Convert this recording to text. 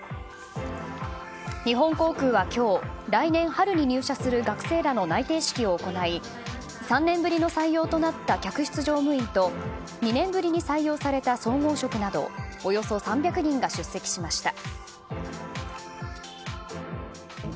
日本航空は今日来年春に入社する学生らの内定式を行い３年ぶりの採用となった客室乗務員と２年ぶりに採用された総合職などおよそ３００人が出席しました。